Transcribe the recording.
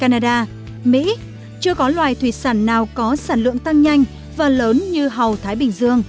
canada mỹ chưa có loài thủy sản nào có sản lượng tăng nhanh và lớn như hầu thái bình dương